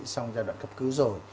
sau giai đoạn cấp cứu rồi